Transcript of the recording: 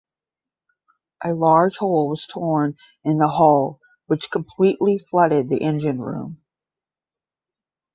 A large hole was torn in the hull which completely flooded the engine room.